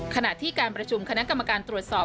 ขณะที่การประชุมคณะกรรมการตรวจสอบ